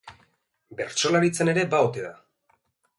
Bertsolaritzan ere ba ote da?